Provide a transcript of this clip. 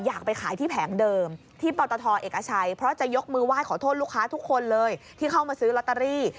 อยากไปขายที่แผงเดิมที่ปตทเอกชัยเพราะจะยกมือไหว้ขอโทษลูกค้าทุกคนเลยที่เข้ามาซื้อลอตเตอรี่